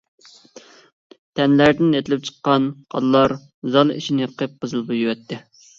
تەنلەردىن ئېتىلىپ چىققان قانلار زال ئىچىنى قىپقىزىل بويىۋەتتى.